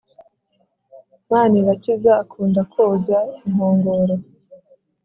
manirakiza akunda kwoza inkongoro